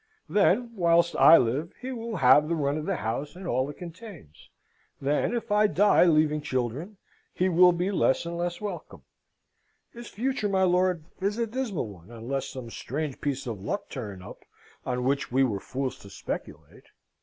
Then, whilst I live he will have the run of the house and all it contains: then, if I die leaving children, he will be less and less welcome. His future, my lord, is a dismal one, unless some strange piece of luck turn up on which we were fools to speculate.